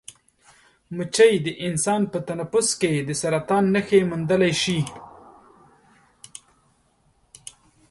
مچۍ د انسان په تنفس کې د سرطان نښې موندلی شي.